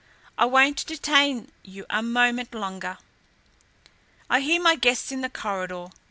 "I won't detain you a moment longer. I hear my guests in the corridor.